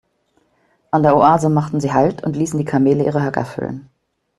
An der Oase machten sie Halt und ließen die Kamele ihre Höcker füllen.